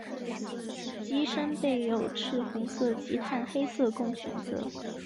机身备有赤红色及碳黑色供选择。